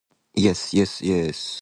Yes, yes, yes.